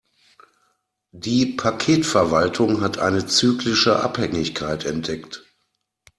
Die Paketverwaltung hat eine zyklische Abhängigkeit entdeckt.